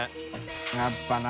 やっぱな。